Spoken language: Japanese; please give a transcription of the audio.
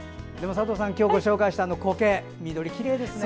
佐藤さん、今日ご紹介したコケ緑がきれいですね。